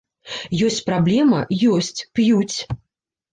Ёсць праблема, ёсць, п'юць.